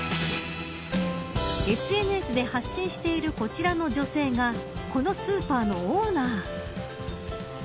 ＳＮＳで発信しているこちらの女性がこのスーパーのオーナー。